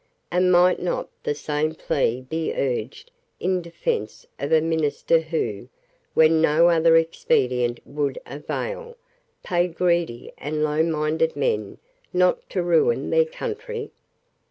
And might not the same plea be urged in defence of a minister who, when no other expedient would avail, paid greedy and lowminded men not to ruin their country?